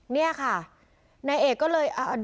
นายเอกก็เลย